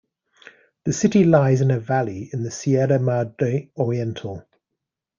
The city lies in a valley in the Sierra Madre Oriental.